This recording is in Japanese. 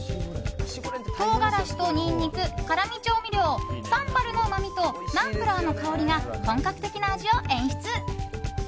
唐辛子とニンニク辛み調味料サンバルのうまみとナンプラーの香りが本格的な味を演出。